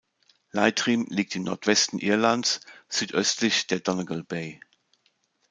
Leitrim liegt im Nordwesten Irlands, südöstlich der Donegal Bay.